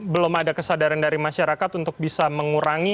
belum ada kesadaran dari masyarakat untuk bisa mengurangi